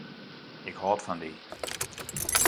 Ik hâld fan dy.